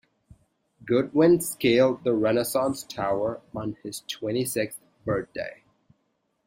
Goodwin scaled the Renaissance Tower on his twenty-sixth birthday.